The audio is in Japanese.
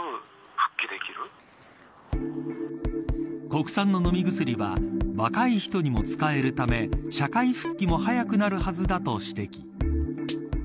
国産の飲み薬は若い人にも使えるため社会復帰も早くなるはずだと指摘。